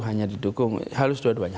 hanya didukung halus dua duanya